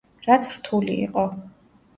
რაც რთული იყო.